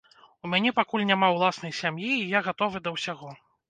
У мяне пакуль няма ўласнай сям'і, і я гатовы да ўсяго.